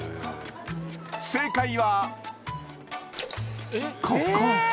正解はここ。